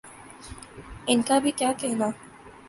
ان کا بھی کیا کہنا۔